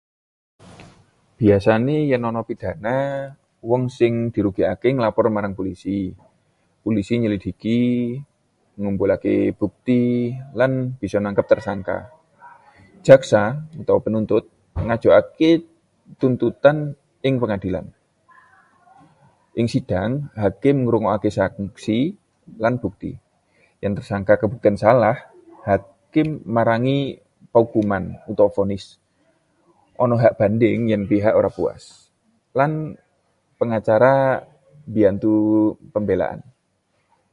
Biasane, yèn ana pidana, wong sing dirugèkaké nglapor marang polisi. Polisi nyelidiki, nglumpukaké bukti lan bisa nangkep tersangka. Jaksa penuntut ngajokake tuntutan ing pengadilan. Ing sidang, hakim ngrungokaké saksi lan bukti. Yen tersangka kabuktèn salah, hakim marangi paukuman vonis. Ana hak banding yèn pihak ora puas, lan pengacara mbiyantu pembelaan.